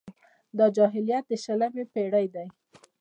دا جاهلیت د شلمې پېړۍ دی.